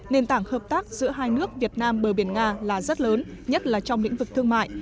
nền tảng hợp tác giữa hai nước việt nam bờ biển nga là rất lớn nhất là trong lĩnh vực thương mại